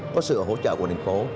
có sự hỗ trợ của định phố